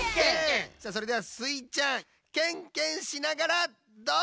それではスイちゃんケンケンしながらどうぞ！